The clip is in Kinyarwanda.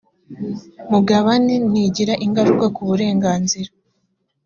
mugabane ntigira ingaruka ku burenganzira